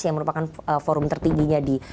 yang merupakan forum tertingginya di